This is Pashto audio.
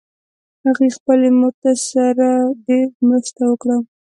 هغې خپلې مور سره ډېر مرسته وکړه